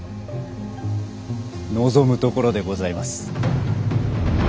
望むところでございます。